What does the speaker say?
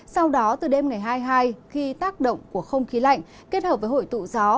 sau đó từ đêm ngày hai mươi hai khi tác động của không khí lạnh kết hợp với hội tụ gió